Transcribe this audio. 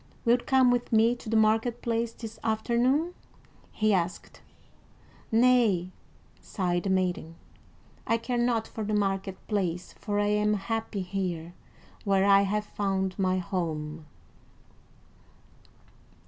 "Wilt come with me to the market place this afternoon?" he asked. "Nay," sighed the maiden. "I care not for the market place, for I am happy here, where I have found my home."